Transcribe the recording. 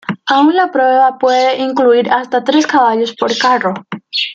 Aunque la prueba puede incluir hasta tres caballos por carro.